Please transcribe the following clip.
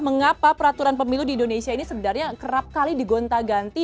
mengapa peraturan pemilu di indonesia ini sebenarnya kerap kali digonta ganti